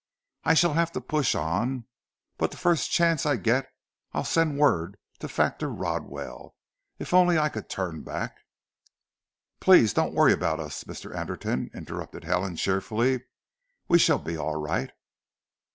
I shall have to push on, but the first chance I get I'll send word on to Factor Rodwell. If only I could turn back " "Please don't worry about us, Mr. Anderton," interrupted Helen cheerfully. "We shall be all right."